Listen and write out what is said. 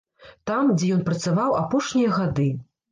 Там, дзе ён працаваў апошнія гады.